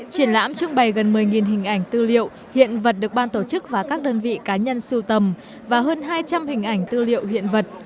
triển lãm trưng bày gần một mươi hình ảnh tư liệu hiện vật được ban tổ chức và các đơn vị cá nhân siêu tầm và hơn hai trăm linh hình ảnh tư liệu hiện vật